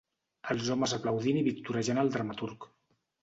Els homes aplaudint i victorejant al dramaturg